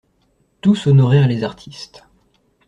Tous honorèrent les artistes.